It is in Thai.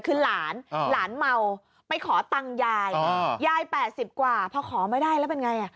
คือหลานเหมาไปขอตังยายยาย๘๐กว่าเพราะขอไม่ได้แล้วเป็นไง